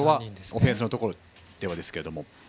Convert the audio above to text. オフェンスのところではですが。